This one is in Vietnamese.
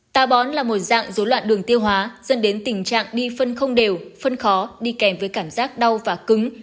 tà bón là một dạng dối loạn đường tiêu hóa dẫn đến tình trạng đi phân không đều phân khó đi kèm với cảm giác đau và cứng